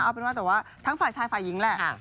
เอาเป็นว่าแต่ว่าทั้งฝ่ายชายฝ่ายหญิงแหละ